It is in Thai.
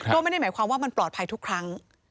ก็ไม่ได้หมายความว่ามันปลอดภัยทุกครั้ง